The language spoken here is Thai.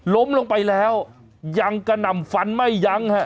ล้มลงไปแล้วยังกระหน่ำฟันไม่ยั้งฮะ